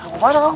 mau kemana om